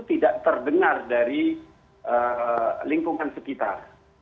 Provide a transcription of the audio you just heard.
tidak terdengar dari lingkungan sekitar